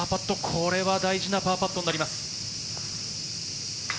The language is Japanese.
これは大事なパーパットになります。